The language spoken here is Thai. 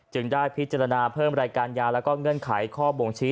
ได้พิจารณาเพิ่มรายการยาแล้วก็เงื่อนไขข้อบ่งชี้